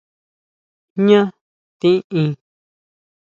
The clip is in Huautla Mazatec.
¿Jñá tiʼin?